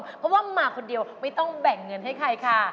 เพราะว่ามาคนเดียวไม่ต้องแบ่งเงินให้ใครค่ะ